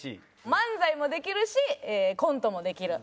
漫才もできるしコントもできる。